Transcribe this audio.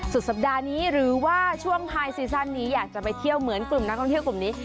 สุดสัปดาห์นี้หรือว่าช่วงไฮซีซั่นนี้อยากจะไปเที่ยวเหมือนกลุ่มนักท่องเที่ยวกลุ่มนี้